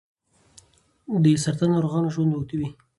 د سرطان ناروغانو ژوند اوږدوي.